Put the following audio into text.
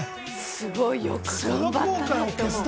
すごいよく頑張ったと思う。